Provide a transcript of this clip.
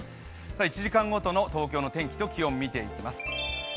１時間ごとの東京の天気と気温を見ていきます。